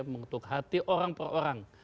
mengetuk hati orang per orang